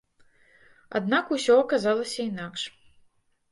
Аднак усё аказалася інакш.